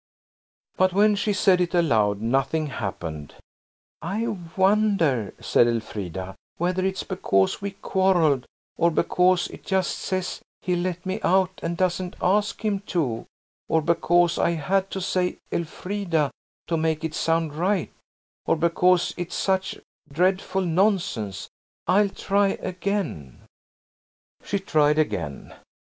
'" But when she said it aloud nothing happened "I wonder," said Elfrida, "whether it's because we quarrelled, or because it just says he let me out and doesn't ask him to, or because I had to say Elfrida to make it sound right, or because it's such dreadful nonsense. I'll try again." She tried again.